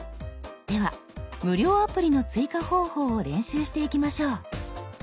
では無料アプリの追加方法を練習していきましょう。